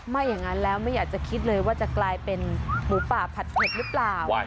ไม่อย่างนั้นแล้วไม่อยากจะคิดเลยว่าจะกลายเป็นหมูป่าผัดเผ็ดหรือเปล่า